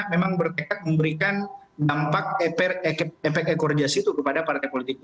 memang bertekad memberikan dampak efek ekor jas itu kepada partai politik